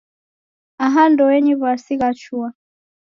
Aha ndoenyi w'asi ghwachua